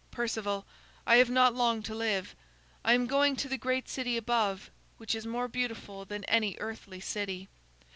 Perceval, I have not long to live. I am going to the great city above, which is more beautiful than any earthly city.